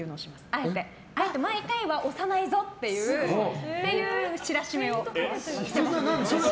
あえて毎回は押さないぞっていう知らしめを。